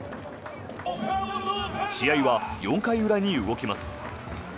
試合は４回裏に動きます。